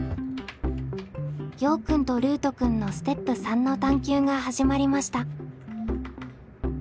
ようくんとルートくんのステップ３の探究が始まりました。